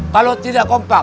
kalau tidak kompak